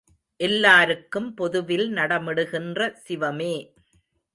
எல்லாருக்கும் பொதுவில்நடமிடுகின்ற சிவமே!